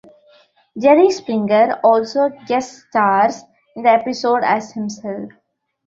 Jerry Springer also guest stars in the episode as himself.